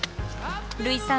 類さん